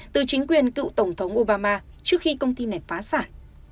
từ chính quyền cựu tổng thống obama trước khi công ty này phá sản